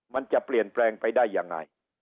มันจะเปลี่ยนแปลงไปได้ยังไง